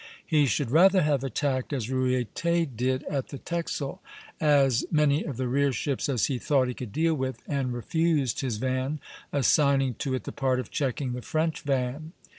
He should rather have attacked, as Ruyter did at the Texel, as many of the rear ships as he thought he could deal with, and refused his van, assigning to it the part of checking the French van.